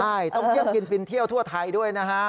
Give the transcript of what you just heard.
ใช่ต้องเที่ยวกินฟินเที่ยวทั่วไทยด้วยนะฮะ